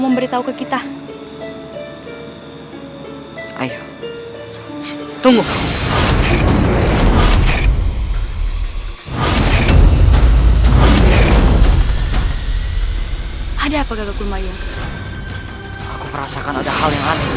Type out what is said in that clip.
kau tidak akan bisa mahu